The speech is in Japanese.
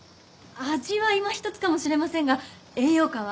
味はいまひとつかもしれませんが栄養価は。